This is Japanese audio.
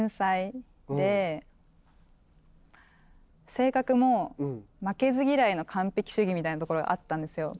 性格も負けず嫌いの完璧主義みたいなところがあったんですよ。